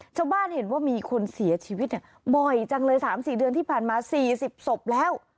ชาวบ้านเห็นว่ามีคนเสียชีวิตบ่อยจังเลย๓๔เดือนที่ผ่านมา๔๐ศพแล้ว